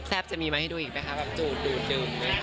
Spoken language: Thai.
ละครแซ่บจะมีมาให้ดูอีกไหมครับจูบดูดดื่ม